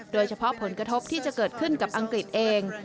โดยเฉพาะผลกระทบที่จะเกิดขึ้นกับอังกฤษเอง